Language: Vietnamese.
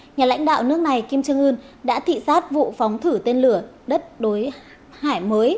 nhà lãnh đạo nước này kim trương ưn đã thị xát vụ phóng thử tên lửa đất đối hải mới